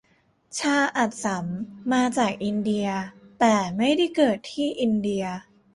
ชาอัสสัม มาจากอินเดีย แต่ไม่ได้เกิดที่อินเดีย